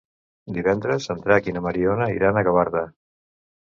Divendres en Drac i na Mariona iran a Gavarda.